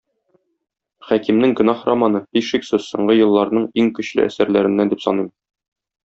Хәкимнең "Гөнаһ" романы, һичшиксез, соңгы елларның иң көчле әсәрләреннән дип саныйм.